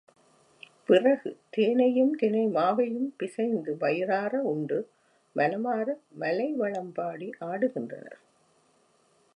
பிறகு தேனையும் தினைமாவையும் பிசைந்து வயிறார உண்டு, மனமார மலை வளம்பாடி ஆடுகின்றனர்.